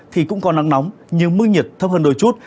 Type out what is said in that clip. thì cũng có nắng nóng nhưng mức nhiệt thấp hơn đôi chút